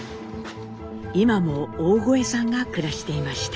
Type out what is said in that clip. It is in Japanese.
今も「大峠」さんが暮らしていました。